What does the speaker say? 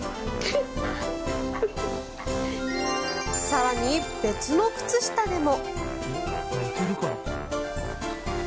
更に別の靴下でも。